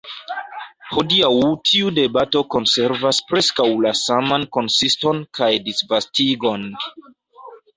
Hodiaŭ tiu debato konservas preskaŭ la saman konsiston kaj disvastigon.